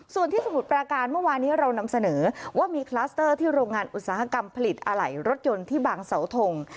ส่วนที่สมุทรปราการเมื่อวานี้เรานำเสนอว่ามีคลัสเตอร์ที่โรงงานอุตสาหกรรมผลิตอะไหล่รถยนต์ที่บางเสาทง